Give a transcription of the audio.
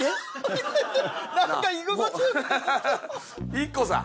ＩＫＫＯさん